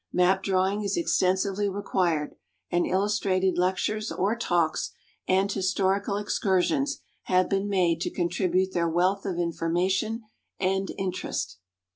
Map drawing is extensively required, and illustrated lectures or talks and historical excursions have been made to contribute their wealth of information and interest.